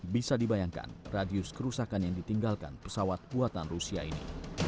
bisa dibayangkan radius kerusakan yang ditinggalkan pesawat buatan rusia ini